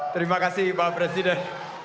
terima kasih pak presiden